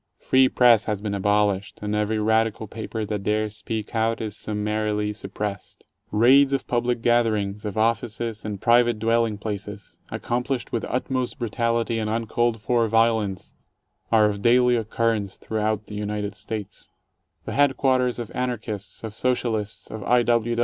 Free press has been abolished, and every radical paper that dares speak out, is summarily suppressed. Raids of public gatherings, of offices, and private dwelling places, accomplished with utmost brutality and uncalled for violence, are of daily occurrence through out the United States. The headquarters of Anarchists, of Socialists, of I.